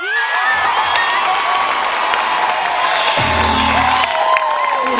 ขอบคุณค่ะ